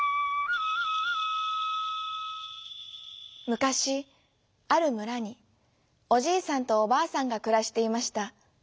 むかしあるむらにおじいさんとおばあさんがくらしていました。